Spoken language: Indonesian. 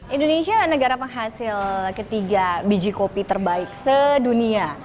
indonesia negara penghasil ketiga biji kopi terbaik sedunia